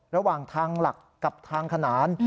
ระหว่างทางหลักกับทางขนาน